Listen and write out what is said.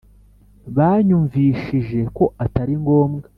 banyumvishije ko atari ngombwa